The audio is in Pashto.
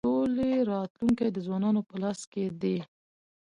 د سولی راتلونکی د ځوانانو په لاس کي دی.